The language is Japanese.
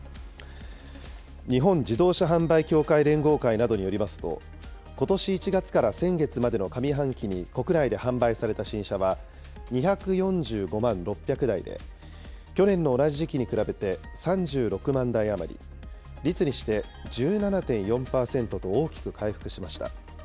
日本自動車販売協会連合会などによりますと、ことし１月から先月までの上半期に国内で販売された新車は２４５万６００台で、去年の同じ時期に比べて３６万台余り、率にして１７．４％と大きく回復しました。